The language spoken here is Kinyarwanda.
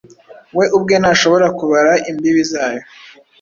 We ubwe ntashobora kubara imbibi zayo